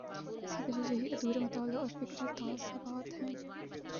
اس کی وجہ وہی ادھورا مطالعہ اور فکری تعصبات ہیں۔